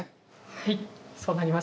はいそうなります。